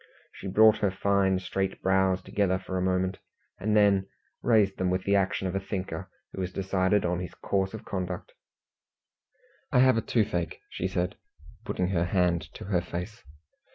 She brought her fine straight brows together for a moment, and then raised them with the action of a thinker who has decided on his course of conduct. "I have a toothache," said she, putting her hand to her face.